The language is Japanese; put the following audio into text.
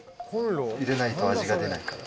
入れないと味が出ないから。